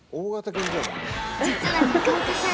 実は中岡さん